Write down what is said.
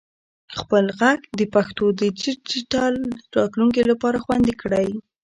خپل ږغ د پښتو د ډیجیټل راتلونکي لپاره خوندي کړئ.